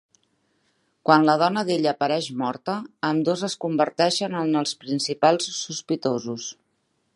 Quan la dona d'ell apareix morta, ambdós es converteixen en els principals sospitosos.